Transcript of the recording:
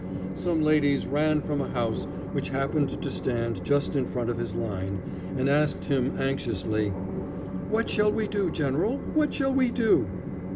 Some ladies ran from a house, which happened to stand just in front of his line, and asked him anxiously, "What shall we do, general, what shall we do?"